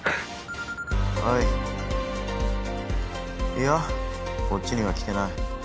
いやこっちには来てない。